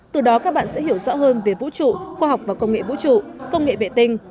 từ đó các bạn sẽ hiểu rõ hơn về vũ trụ khoa học và công nghệ vũ trụ công nghệ vệ tinh